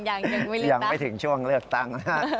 ยังยังไม่ถึงช่วงเลือกตั้ง